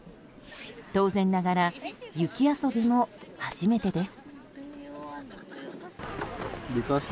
当然ながら雪遊びも初めてです。